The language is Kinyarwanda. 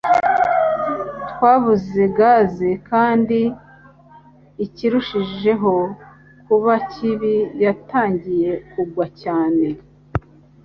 Twabuze gaze, kandi ikirushijeho kuba kibi, yatangiye kugwa cyane.